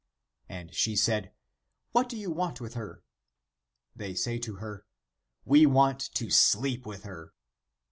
And she said: ' What do you want with her ?' They say to her :' We want to sleep with her.'